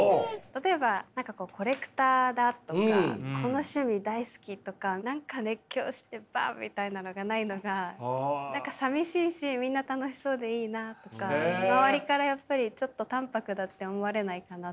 例えば何かこうコレクターだとかこの趣味大好きとか何か熱狂してバッみたいなのがないのが何かさみしいしみんな楽しそうでいいなとか周りからやっぱりちょっと淡泊だって思われないかなとか。